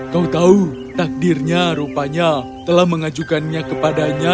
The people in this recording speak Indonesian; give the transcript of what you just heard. kau tahu takdirnya rupanya telah mengajukannya kepadanya